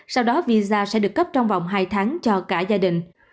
sau đó visa sẽ được cấp trong vòng hai tháng cho cả gia đình